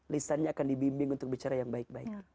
lisannya akan dibimbing untuk bicara yang baik baik